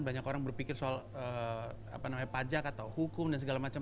banyak orang berpikir soal pajak atau hukum dan segala macam